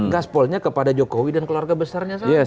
gaspolnya kepada jokowi dan keluarga besarnya saja